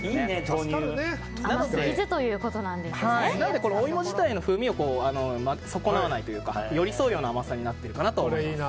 なので、お芋自体の風味を損なわないというか寄り添うような甘さになっているかなと思います。